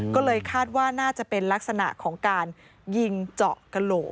ก็เลยคาดว่าน่าจะเป็นลักษณะของการยิงเจาะกระโหลก